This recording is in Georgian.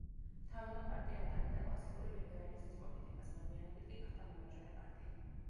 თავიდან პარტია ატარებდა კლასიკური ლიბერალიზმის პოლიტიკას, მოგვიანებით კი გახდა მემარჯვენე პარტია.